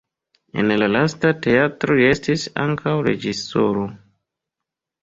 En la lasta teatro li estis ankaŭ reĝisoro.